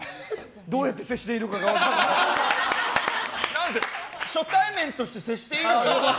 どうやって接していいのかが初対面として接していいのよ。